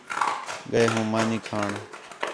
ڳئے ہوں مانی کھاݨ